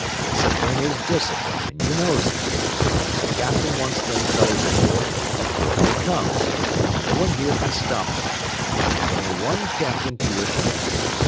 "Discipline is discipline, an' you knows it. If the captain wants them fellows aboard, aboard they comes, and no one here kin stop them. There's only one captain to a ship.